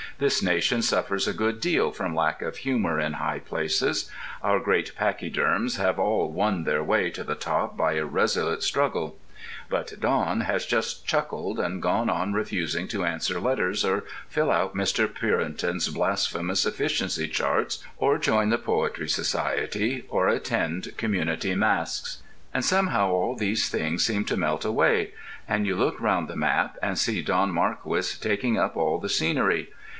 This nation suffers a good deal from lack of humour in high places: our Great Pachyderms have all Won their Way to the Top by a Resolute Struggle. But Don has just chuckled and gone on refusing to answer letters or fill out Mr. Purinton's blasphemous efficiency charts or join the Poetry Society or attend community masques. And somehow all these things seem to melt away, and you look round the map and see Don Marquis taking up all the scenery....